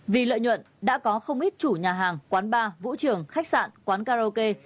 vì lợi nhuận đã có không ít chủ nhà hàng quán bar vũ trường khách sạn quán karaoke